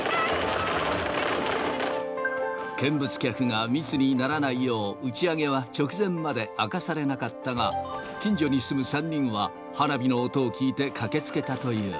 見物客が密にならないよう、打ち上げは直前まで明かされなかったが、近所に住む３人は、花火の音を聞いて駆けつけたという。